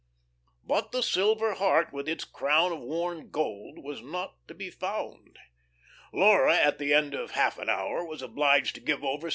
But the silver heart with its crown of worn gold was not to be found. Laura, at the end of half an hour, was obliged to give over searching.